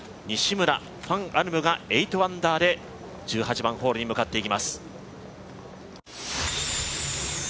西村、ファン・アルムが８アンダーで１８番ホールに向かっていきます。